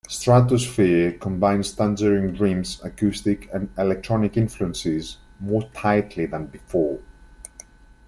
"Stratosfear" combines Tangerine Dream's acoustic and electronic influences more tightly than before.